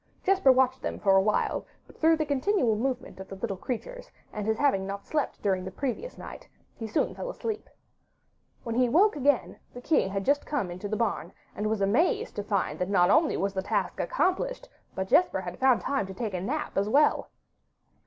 Jesper watched them for a while, but through the continual movement of the little creatures, and his not having slept during the previous night, he soon fell sound asleep. When he woke again, the king had just come into the barn, and was amazed to find that not only was the task accomplished, but that Jesper had found time to take a nap as well.